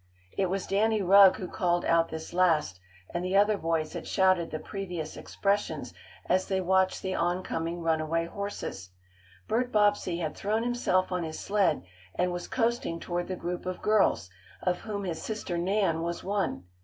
It was Danny Rugg who called out this last, and the other boys had shouted the previous expressions, as they watched the oncoming, runaway horses. Bert Bobbsey had thrown himself on his sled and was coasting toward the group of girls, of whom his sister Nan was one.